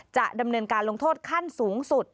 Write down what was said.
จะดำเนินการลงโทษขั้นสูงสุด